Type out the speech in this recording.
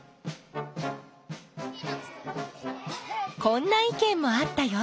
こんないけんもあったよ。